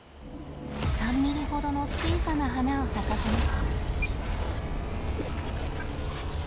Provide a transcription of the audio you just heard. ３ミリほどの小さな花を咲かせます。